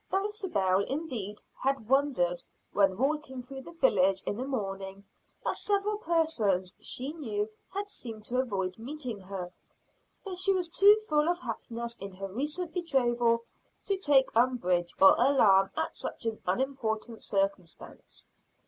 Dulcibel indeed had wondered, when walking through the village in the morning, that several persons she knew had seemed to avoid meeting her. But she was too full of happiness in her recent betrothal to take umbrage or alarm at such an unimportant circumstance.